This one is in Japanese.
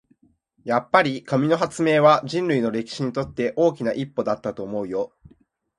やっぱり、紙の発明は人類の歴史にとって大きな一歩だったと思うよ。